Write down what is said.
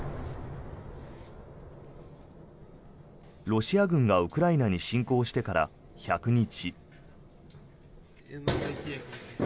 ロシア軍がウクライナに侵攻してから１００日。